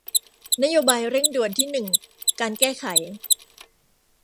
นโยบายเร่งด่วนที่หนึ่งการแก้ไข